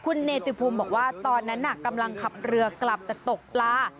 คุณเนจิภูมิบอกว่าตอนนั้นกำลังขับเรือกลับจะตกปลา